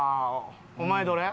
お前どれ？